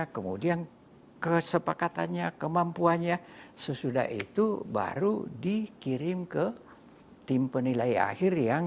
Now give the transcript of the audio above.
kemudian kesepakatannya kemampuannya sesudah itu baru dikirim ke tim penilai akhir yang